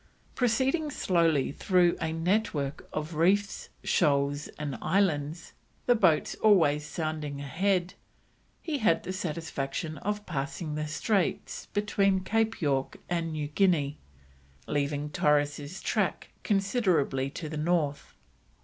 Proceeding slowly through a network of reefs, shoals, and islands, the boats always sounding ahead, he had the satisfaction of passing the straits between Cape York and New Guinea, leaving Torres's track considerably to the north.